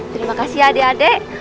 terima kasih ya adek adek